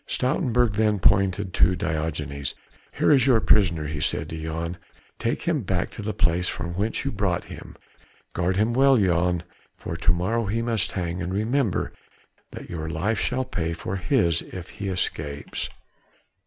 Stoutenburg then pointed to Diogenes. "Here is your prisoner," he said to Jan, "take him back to the place from whence you brought him. Guard him well, Jan, for to morrow he must hang and remember that your life shall pay for his if he escapes."